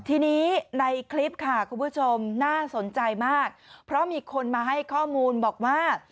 ทีนี้ในคลิปค่ะคุณผู้ชมน่าสนใจมากเพราะมีคนมาให้ข้อมูลบอกว่า